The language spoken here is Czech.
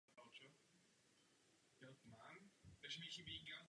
Po prozkoumání hrobu byla mohyla rekonstruována do svých původních rozměrů.